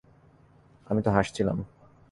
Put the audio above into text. আমি তো হাসছিলাম।